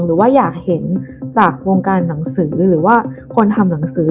หรือว่าอยากเห็นจากวงการหนังสือหรือว่าคนทำหนังสือ